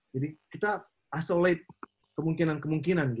jadi kita menghentikan kemungkinan kemungkinan